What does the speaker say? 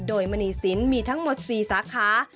โดยมณีศิลป์มีทั้งหมด๔สาขา